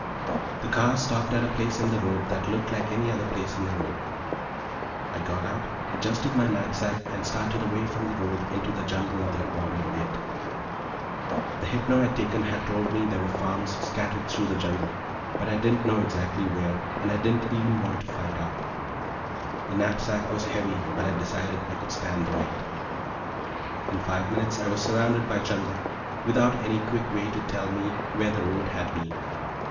The car stopped at a place in the road that looked like any other place in the road. I got out, adjusted my knapsack and started away from the road, into the jungle that bordered it. The hypno I'd taken had told me there were farms scattered through the jungle, but I didn't know exactly where, and I didn't even want to find out. The knapsack was heavy, but I decided I could stand the weight. In five minutes I was surrounded by jungle, without any quick way to tell me where the road had been.